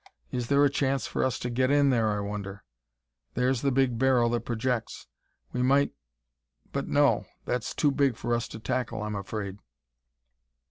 Is there a chance for us to get in there, I wonder! There's the big barrel that projects. We might ... but no! that's too big for us to tackle, I'm afraid."